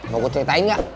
mau gue ceritain gak